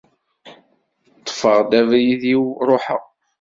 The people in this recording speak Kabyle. Ṭṭfeɣ abrid-iw ruḥeɣ.